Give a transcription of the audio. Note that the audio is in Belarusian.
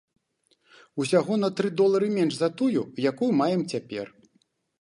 Усяго на тры долары менш за тую, якую маем цяпер.